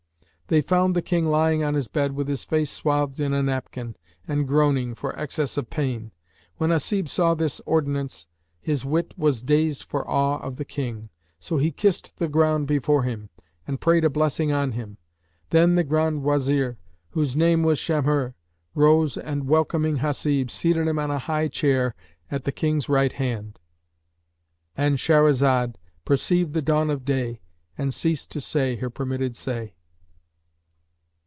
They found the King lying on his bed with his face swathed in a napkin, and groaning for excess of pain. When Hasib saw this ordinance, his wit was dazed for awe of the King; so he kissed the ground before him, and prayed a blessing on him. Then the Grand Wazir, whose name was Shamhϊr, rose and welcoming Hasib, seated him on a high chair at the King's right hand."—And Shahrazad perceived the dawn of day and ceased to say her permitted say.